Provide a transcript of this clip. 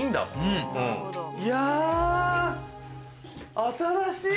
いや新しい！